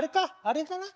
あれかな？